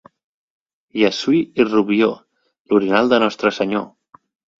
Llessui i Rubió, l'orinal de Nostre Senyor!